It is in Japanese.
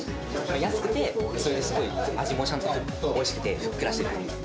安くて、それですごい味もおいしくて、ふっくらしてて。